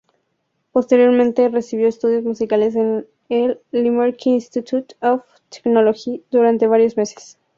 Posteriormente, recibió estudios musicales en el Limerick Institute of Technology durante varios meses.